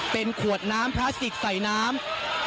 เป็นขวดน้ำพลาสติกใส่น้ำ